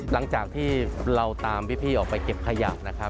หลังจากที่เราตามพี่ออกไปเก็บขยะนะครับ